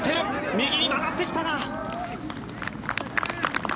右に曲がってきたが。